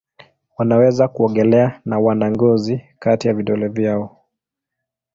Wanaweza kuogelea na wana ngozi kati ya vidole vyao.